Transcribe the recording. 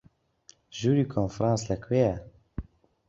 ژووری کۆنفرانس لەکوێیە؟